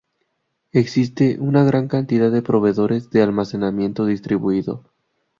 Existe una gran cantidad de proveedores de almacenamiento distribuido.